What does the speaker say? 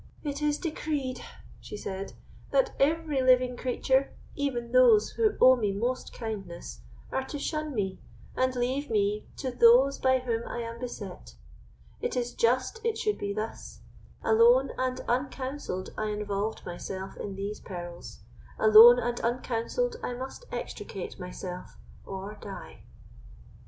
"It is decreed," she said, "that every living creature, even those who owe me most kindness, are to shun me, and leave me to those by whom I am beset. It is just it should be thus. Alone and uncounselled, I involved myself in these perils; alone and uncounselled, I must extricate myself or die."